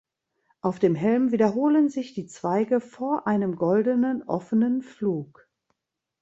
Auf dem Helm wiederholen sich die Zweige vor einem goldenen offenen Flug.